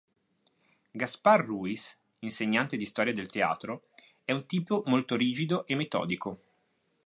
Gaspar Ruiz, insegnante di storia del teatro, è un tipo molto rigido e metodico.